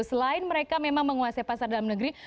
selain mereka memang menguasai pasar dalam negeri